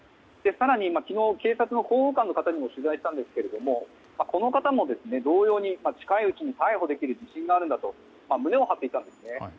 更に昨日、警察の広報官の方にも取材したんですがこの方も同様に近いうちに逮捕できる自信があるんだと胸を張っていたんですね。